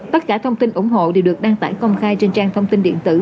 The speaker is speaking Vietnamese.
tất cả thông tin ủng hộ đều được đăng tải công khai trên trang thông tin điện tử